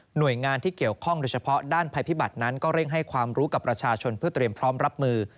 โดยงานที่เกี่ยวข้องโดยเฉพาะด้านภัยพิบัตรนั้นก็เร่งให้ความรู้กับประชาชนเพื่อเตรียมพร้อมรับมือ